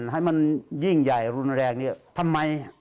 ให้มันยิ่งใหญ่รุนแรงเนี่ยทำไม